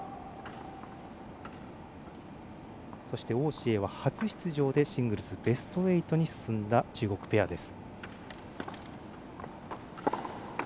王紫瑩は初出場でシングルスベスト８に進んだ中国ペアです。